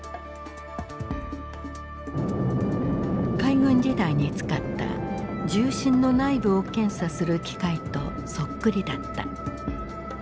海軍時代に使った銃身の内部を検査する機械とそっくりだった。